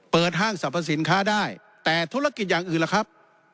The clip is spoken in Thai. ห้างสรรพสินค้าได้แต่ธุรกิจอย่างอื่นล่ะครับ